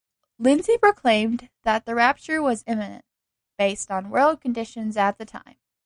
Lindsey proclaimed that the rapture was imminent, based on world conditions at the time.